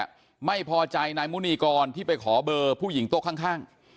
สถานทำร้ายเนี้ยไม่พอใจนายมุณีกรที่ไปขอเบอผู้หญิงโต๊ะข้างข้าง